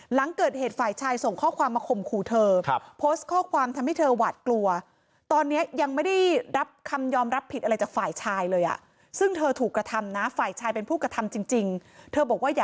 หลังเกิดเหตุฝ่ายชายส่งข้อความมาข่มขู่เธอ